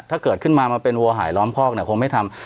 ถ้าเกิดขึ้นมามาเป็นวัวหายล้อมคอกเนี่ยคงไม่ทำ